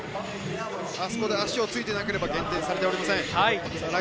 足をついていなければ減点されていません。